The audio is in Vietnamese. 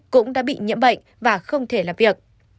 cũng đã bị nhiễm bệnh và không thể làm việc